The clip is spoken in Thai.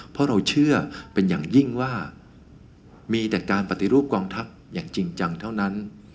เพราะเราเชื่อเป็นอย่างยิ่งว่ามีแต่การปฏิรูปกองทัพอย่างจริงจังเท่านั้น